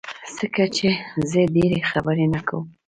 ځکه چي زه ډيری خبری نه کوم